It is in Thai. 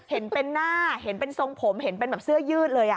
เห็นเป็นหน้าเห็นเป็นทรงผมเห็นเป็นแบบเสื้อยืดเลย